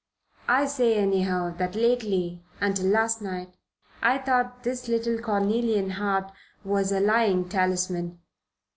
I say, anyhow, that lately, until last night, I thought this little cornelian heart was a lying talisman.